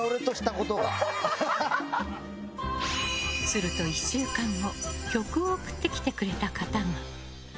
すると１週間後曲を送ってきてくれた方が。